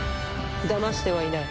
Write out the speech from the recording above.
だましてはいない。